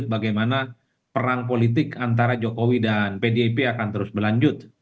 tapi publik menilai ini bagian babak lanjut bagaimana perang politik antara jokowi dan pdip akan terus berlanjut